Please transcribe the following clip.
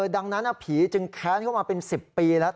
ดังนั้นผีจึงแค้นเข้ามาเป็น๑๐ปีแล้ว